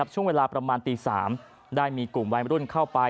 ช่วงเวลาประมาณตี๓ได้มีกลุ่มวัยรุ่นเข้าไป